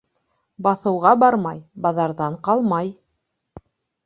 Баҫыуға бармай, баҙарҙан ҡалмай.